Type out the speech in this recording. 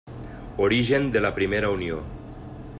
Origen de la primera Unió.